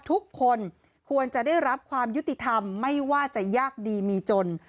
ทุกคนควรจะได้รับความยุติธรรมไม่ว่าจะยากดีมีจน